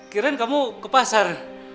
kirain kamu ke pasar